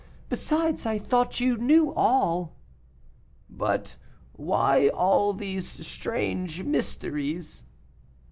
Besides, I thought you knew all." "But why all these strange mysteries?"